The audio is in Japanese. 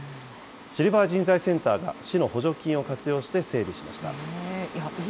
シルバー人材センターが、市の補助金を活用して整備しました。